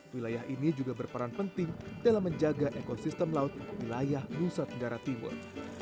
wilayah ini juga berperan penting dalam menjaga ekosistem laut wilayah nusa tenggara timur